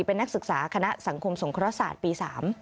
เป็นนักศึกษาคณะสังคมสงครสาทปี๓